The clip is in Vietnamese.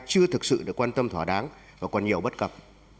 cứ thực sự để quan tâm thỏa đáng và còn nhiều bất cập